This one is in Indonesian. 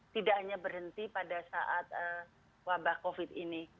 tidak hanya berhenti pada saat wabah covid ini